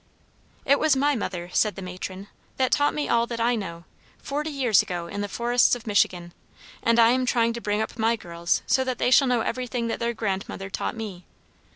It was my mother, said the matron, that taught me all that I know, forty years ago in the forests of Michigan, and I am trying to bring up my girls so that they shall know everything that their grandmother taught me.